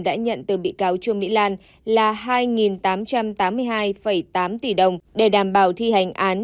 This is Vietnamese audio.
đã nhận từ bị cáo trương mỹ lan là hai tám trăm tám mươi hai tám tỷ đồng để đảm bảo thi hành án